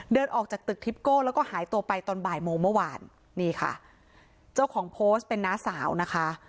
เดินออกจากตึกทิปโก้แล้วก็หายตัวไปตอนบ่ายโมงเมื่อวานนี่ค่ะเจ้าของโพสต์เป็นน้าสาวนะคะ